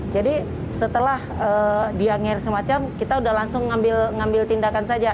jadi setelah dia ngeyel semacam kita sudah langsung ngambil tindakan saja